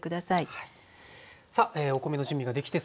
はい。